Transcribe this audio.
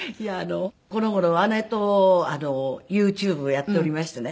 この頃姉とＹｏｕＴｕｂｅをやっておりましてね。